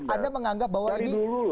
anda menganggap bahwa ini